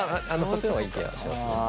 そっちの方がいい気がします。